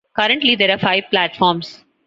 Currently there are five platforms.